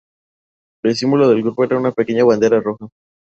El símbolo del grupo era una pequeña bandera roja.